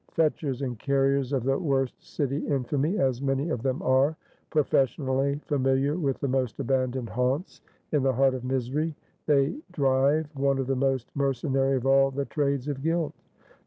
Fetchers and carriers of the worst city infamy as many of them are; professionally familiar with the most abandoned haunts; in the heart of misery, they drive one of the most mercenary of all the trades of guilt.